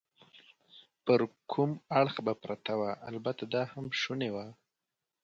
پر کوم اړخ به پرته وه؟ البته دا هم شونې وه.